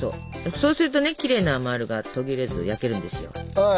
そうするとねきれいなまるが途切れず焼けるんですよ。